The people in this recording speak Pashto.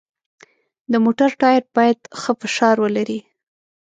د موټر ټایر باید ښه فشار ولري.